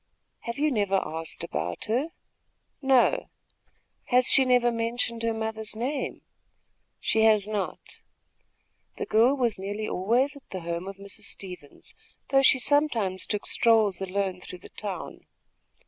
"Have you never asked about her?" "No." "Has she never mentioned her mother's name?" "She has not." The girl was nearly always at the home of Mrs. Stevens, though she sometimes took strolls alone through the town.